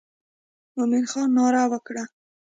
مومن خان ناره وکړه.